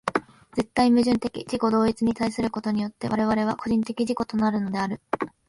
絶対矛盾的自己同一に対することによって我々は個人的自己となるのである。